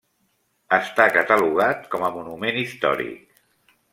Està catalogat com a Monument Històric.